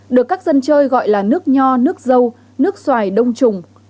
được các dân chơi gọi là nước nho nước dâu nước xoài đông trùng